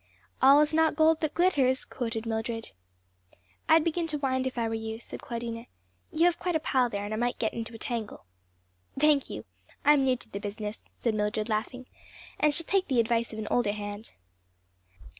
"'All is not gold that glitters,'" quoted Mildred. "I'd begin to wind if I were you," said Claudina, "you have quite a pile there and it might get into a tangle." "Thank you. I'm new to the business," said Mildred laughing, "and shall take the advice of an older hand."